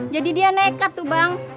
jadi dia nekat tuh bang